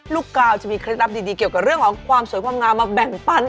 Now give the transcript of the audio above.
กาวจะมีเคล็ดลับดีเกี่ยวกับเรื่องของความสวยความงามมาแบ่งปัน